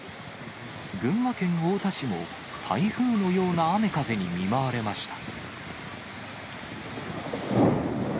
群馬県太田市も、台風のような雨風に見舞われました。